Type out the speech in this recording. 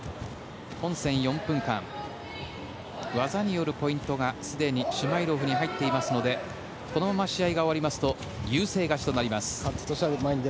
本戦４分間技によるポイントがすでにシュマイロフに入っていますのでこのまま試合が終わりますと優勢勝ちとなります。